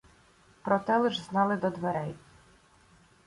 Про те лиш знали до дверей.